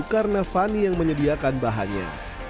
karena fani yang menyediakan bahannya